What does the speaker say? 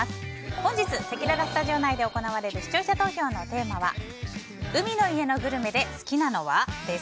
本日せきららスタジオ内で行われる視聴者投票のテーマは海の家のグルメで好きなのは？